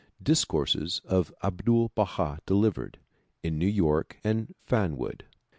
Discourses of Abdul Baha delivered in New York and Fanwood.